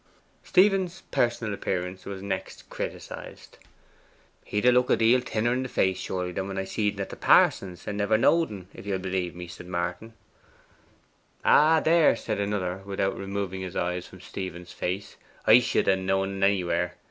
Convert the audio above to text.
Stephen's personal appearance was next criticised. 'He d' look a deal thinner in face, surely, than when I seed en at the parson's, and never knowed en, if ye'll believe me,' said Martin. 'Ay, there,' said another, without removing his eyes from Stephen's face, 'I should ha' knowed en anywhere.